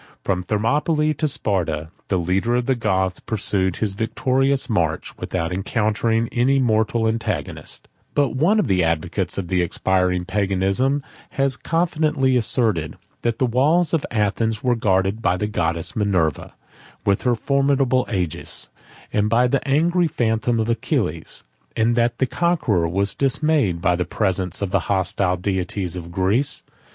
13 From Thermopylae to Sparta, the leader of the Goths pursued his victorious march without encountering any mortal antagonists: but one of the advocates of expiring Paganism has confidently asserted, that the walls of Athens were guarded by the goddess Minerva, with her formidable Aegis, and by the angry phantom of Achilles; 14 and that the conqueror was dismayed by the presence of the hostile deities of Greece.